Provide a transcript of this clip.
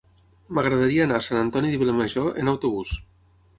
M'agradaria anar a Sant Antoni de Vilamajor amb autobús.